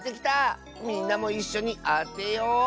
みんなもいっしょにあてよう！